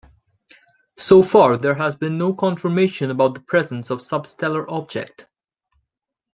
So far there has been no confirmation about the presence a substellar object.